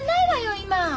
今！